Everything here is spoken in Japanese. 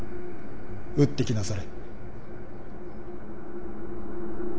打ってきなされ。